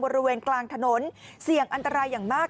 บริเวณกลางถนนเสี่ยงอันตรายอย่างมาก